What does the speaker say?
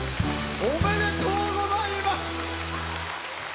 おめでとうございます！